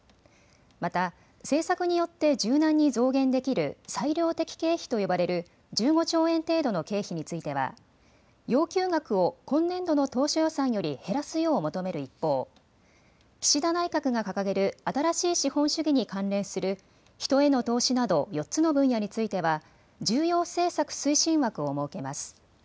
また政策によって柔軟に増減できる裁量的経費と呼ばれる１５兆円程度の経費については要求額を今年度の当初予算より減らすよう求める一方、岸田内閣が掲げる新しい資本主義に関連する人への投資など４つの分野については重要政策推進枠を設けます。